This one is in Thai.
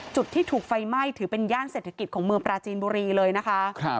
จุดที่ถูกไฟไหม้ถือเป็นย่านเศรษฐกิจของเมืองปราจีนบุรีเลยนะคะ